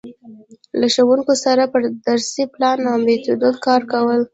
له ښـوونکو سره پر درسي پـلان او میتود کـار کول.